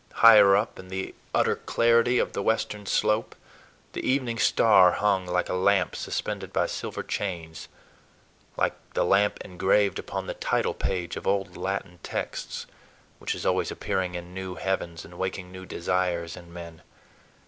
Higher up, in the utter clarity of the western slope, the evening star hung like a lamp suspended by silver chains—like the lamp engraved upon the title page of old Latin texts, which is always appearing in new heavens, and waking new desires in men.